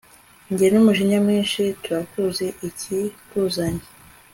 Njye numujinya mwinshi turakuzi iki kuzanye